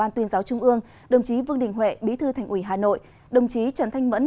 tuyên giáo trung ương đồng chí vương đình huệ bí thư thành ủy hà nội đồng chí trần thanh mẫn